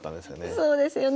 そうですね。